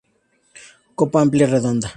Copa amplia, redonda.